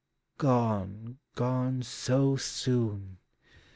Gone, gone, so soon